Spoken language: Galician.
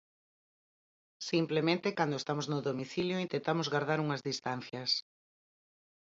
Simplemente, cando estamos no domicilio intentamos gardar unhas distancias.